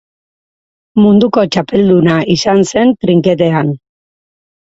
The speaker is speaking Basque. Munduko txapelduna izan zen trinketean.